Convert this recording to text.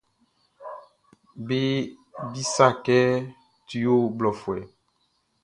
Be bisât kɛ tu ɔ ho blɔfuɛ.